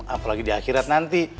apalagi di akhirat nanti